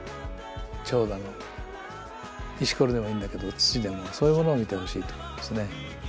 チョウだの石ころでもいいんだけど土でもそういうものを見てほしいと思いますね。